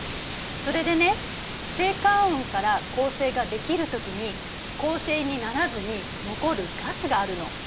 それでね星間雲から恒星ができるときに恒星にならずに残るガスがあるの。